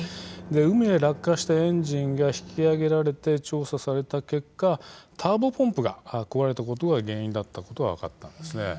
海へ落下したエンジンが引き揚げられて調査された結果ターボポンプが壊れたことが原因だったことが分かったんです。